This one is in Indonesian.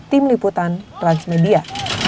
tim liputan transmedia